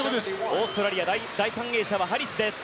オーストラリア第３泳者はハリスです。